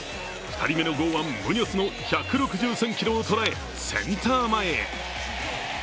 ２人目の剛腕・ムニョスの１６３キロを捉えセンター前へ。